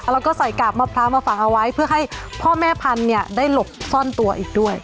แล้วก็ใส่กาบมะพร้าวมาฝังเอาไว้เพื่อให้พ่อแม่พันธุ์ได้หลบซ่อนตัวอีกด้วย